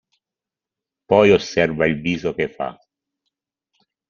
Poi osserva il viso che fa.